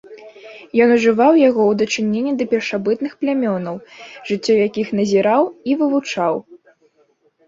Ён ужываў яго ў дачыненні да першабытных плямёнаў, жыццё якіх назіраў і вывучаў.